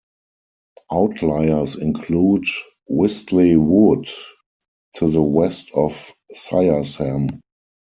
Outliers include Whistley wood to the west of Syresham.